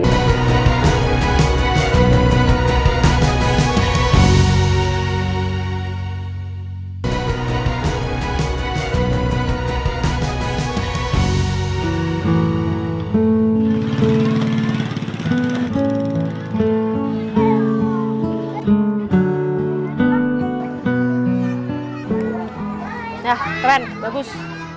nah keren bagus